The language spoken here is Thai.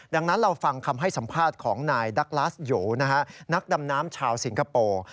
ดังนั้นเราฟังคำให้สัมภาษณ์ของนายดักลาสโยนักดำน้ำชาวสิงคโปร์